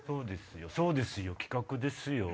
そうですよ企画ですよ。